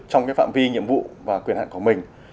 trong phạm vi nhiệm vụ và quyền hạn của mình